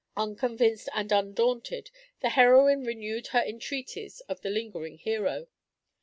Unconvinced and undaunted, the heroine renewed her entreaties to the lingering hero.